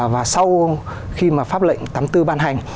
và sau khi mà pháp lệnh tám mươi bốn ban hành